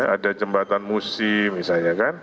ada jembatan musim misalnya kan